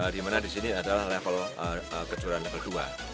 di mana di sini adalah level kejuaraan level dua